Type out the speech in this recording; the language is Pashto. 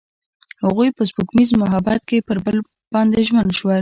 هغوی په سپوږمیز محبت کې پر بل باندې ژمن شول.